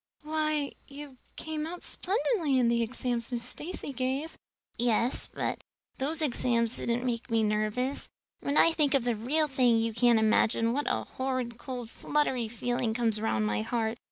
"Why, you came out splendidly in the exams Miss Stacy gave." "Yes, but those exams didn't make me nervous. When I think of the real thing you can't imagine what a horrid cold fluttery feeling comes round my heart.